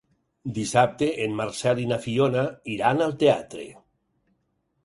Dissabte en Marcel i na Fiona iran al teatre.